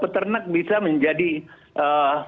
peternak bisa menjadi eee